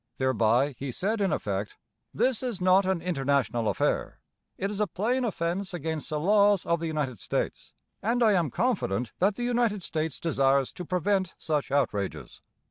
Thereby he said in effect, 'This is not an international affair. It is a plain offence against the laws of the United States, and I am confident that the United States desires to prevent such outrages.'